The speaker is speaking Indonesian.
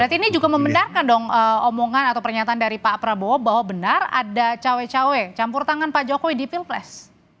berarti ini juga membenarkan dong omongan atau pernyataan dari pak prabowo bahwa benar ada cawe cawe campur tangan pak jokowi di pilpres